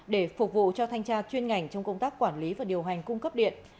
để phục vụ cho thanh tra chuyên ngành trong công tác quản lý và điều hành cung cấp điện